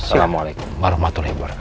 sendiriku ada hukuman jenggotiku